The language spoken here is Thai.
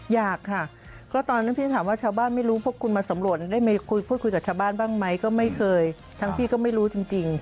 อยากค่ะก็ตอนนั้นพี่ถามว่าชาวบ้านไม่รู้พวกคุณมาสำรวจได้คุยพูดคุยกับชาวบ้านบ้างไหมก็ไม่เคยทั้งพี่ก็ไม่รู้จริง